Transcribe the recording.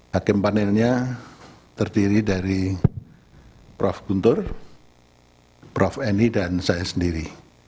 hakim panelnya terdiri dari prof guntur prof eni dan saya sendiri